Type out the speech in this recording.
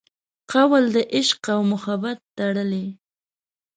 قول د عشق او محبت تړلي